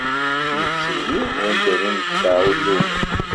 Yettili wanda ur ineffeɛ ulugen.